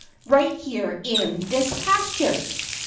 "Right here in this pasture!"